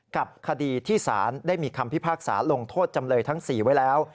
กับคดีที่ศาลได้มีคำพิพากษาลงโทษจำเลยทั้ง๔ไว้แล้ว